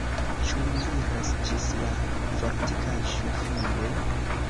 Ĉu ni iros ĝis la fortikaĵo File?